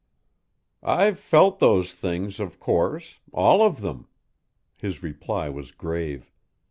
"I've felt those things, of course all of them." His reply was grave.